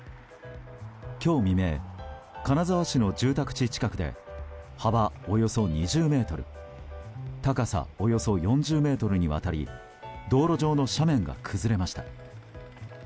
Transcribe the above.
今日未明、金沢市の住宅地近くで幅およそ２０ｍ高さおよそ４０ｍにわたり道路上の斜面が崩れました。